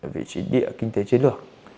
vị trí địa kinh tế trên đất